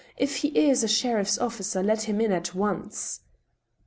If he is a sheriff's officer, let him in at once."